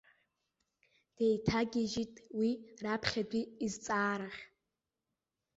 Деиҭагьежьит уи, раԥхьатәи изҵаарахь.